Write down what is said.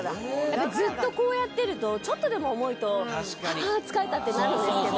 ずっとこうやってるとちょっとでも重いと「ハァ疲れた」ってなるんですけど。